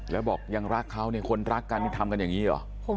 แล้วบอกยังรักเขาเนี่ยคนรักกันนี่ทำกันอย่างนี้เหรอ